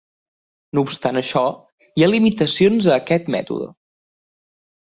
No obstant això, hi ha limitacions a aquest mètode.